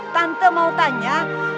tante mau tanya